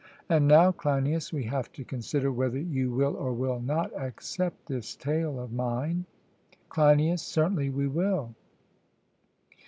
And now, Cleinias, we have to consider whether you will or will not accept this tale of mine. CLEINIAS: Certainly we will.